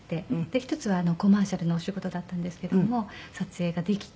一つはコマーシャルのお仕事だったんですけども撮影ができて。